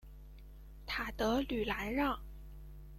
塔德吕兰让。